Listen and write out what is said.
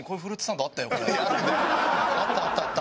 あったあったあった。